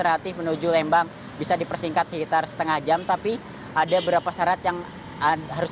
relatif menuju lembang bisa dipersingkat sekitar setengah jam tapi ada beberapa syarat yang harus